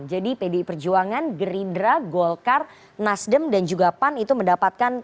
jadi pdi perjuangan gerindra golkar nasdem dan juga pan itu mendapatkan